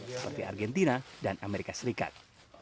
seperti argentina dan amerika serikat